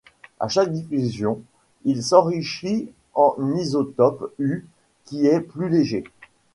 À chaque diffusion, il s'enrichit en isotope U qui est plus léger.